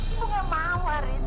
ibu gak mau riz